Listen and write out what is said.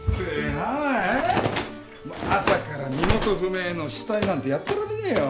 朝から身元不明の死体なんてやってられねえよ。